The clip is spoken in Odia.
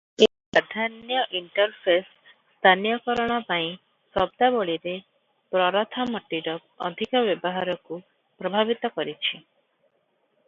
ଏହି ପ୍ରାଧାନ୍ୟ ଇଣ୍ଟରଫେସ ସ୍ଥାନୀୟକରଣ ପାଇଁ ଶବ୍ଦାବଳୀରେ ପ୍ରରଥମଟିର ଅଧିକ ବ୍ୟବହାରକୁ ପ୍ରଭାବିତ କରିଛି ।